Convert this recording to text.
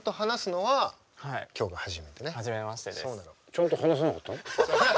ちゃんと話さなかったの？